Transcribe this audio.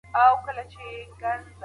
قناعت انسان له احتیاجه خلاصوي.